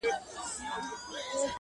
• مسافرو وو خپل مرګ داسي هېر کړی ,